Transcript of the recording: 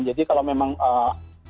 jadi kalau memang eee